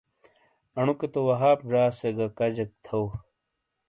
انوکے تو وہاب زا سے گہ کجیک تھو۔